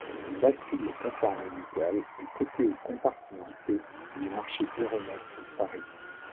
Bastide Le Confort Médical est coté au compartiment C du marché Euronext Paris.